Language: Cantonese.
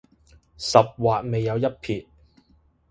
十劃未有一撇